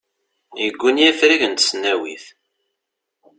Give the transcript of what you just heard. Yegguni afrag n tesnawit.